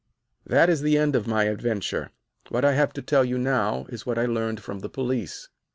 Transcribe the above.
"That is the end of my adventure. What I have to tell you now is what I learned from the police.